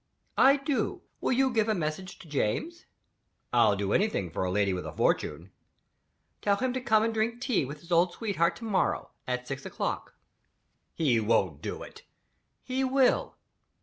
"I do! Will you give a message to James?" "I'll do anything for a lady with a fortune." "Tell him to come and drink tea with his old sweetheart tomorrow, at six o'clock." "He won't do it." "He will."